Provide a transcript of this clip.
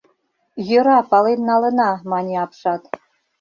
— Йӧра, пален налына, — мане апшат.